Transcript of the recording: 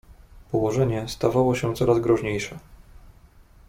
"Położenie stawało się coraz groźniejsze."